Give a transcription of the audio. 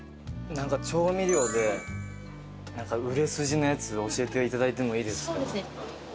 調味料で売れ筋のやつ教えていただいてもいいですか？